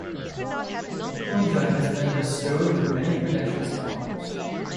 Punja has been bestowed with many credentials and honors.